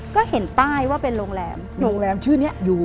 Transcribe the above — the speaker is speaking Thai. ก็เห็นป้ายว่าเป็นโรงแรมโรงแรมชื่อนี้อยู่